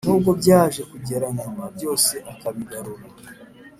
nubwo byaje kugera nyuma byose akabigarura.”